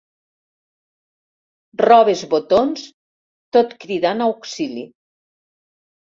Robes botons tot cridant auxili.